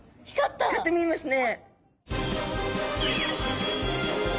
光って見えますね。